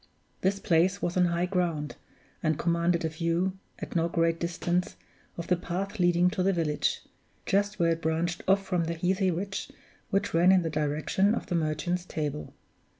This place was on high ground, and commanded a view, at no great distance, of the path leading to the village, just where it branched off from the heathy ridge which ran in the direction of the Merchant's Table.